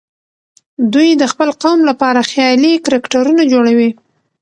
دوی د خپل قوم لپاره خيالي کرکټرونه جوړوي.